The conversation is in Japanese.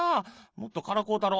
もっとからこうたろ。